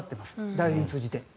代理人を通じて。